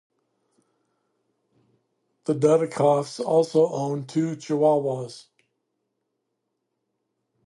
The Dudikoffs also own two chihuahuas.